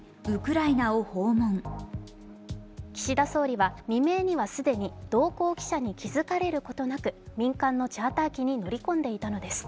岸田総理は未明には既に同行記者に気づかれることなく、民間のチャーター機に乗り込んでいたのです。